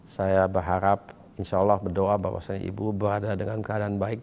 saya berharap insya allah berdoa bahwasannya ibu berada dengan keadaan baik